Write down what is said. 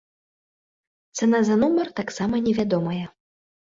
Цана за нумар таксама невядомая.